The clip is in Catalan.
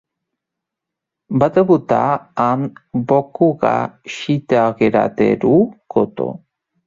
Va debutar amb "Boku ga Shiteagerareru koto".